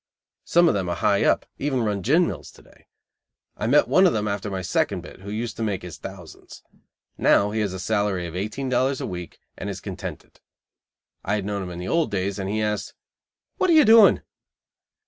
Some of them are high up, even run gin mills to day. I met one of them after my second bit, who used to make his thousands. Now he has a salary of eighteen dollars a week and is contented. I had known him in the old days, and he asked: "What are you doing?"